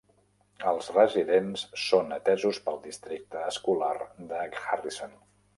Els residents són atesos pel districte escolar de Harrison.